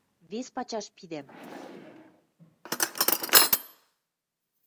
Вес пачаш пидӓм...